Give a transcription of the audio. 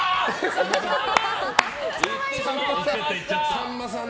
さんまさーん！